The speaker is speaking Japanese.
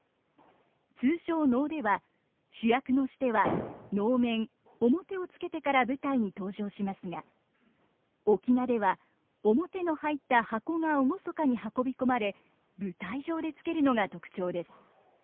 通常能では主役のシテは能面面をつけてから舞台に登場しますが「翁」では面の入った箱が厳かに運び込まれ舞台上でつけるのが特徴です。